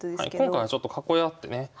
今回はちょっと囲い合ってね